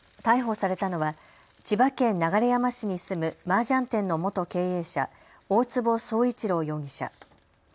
逮捕されたのは千葉県流山市に住むマージャン店の元経営者、大坪宗一郎容疑者。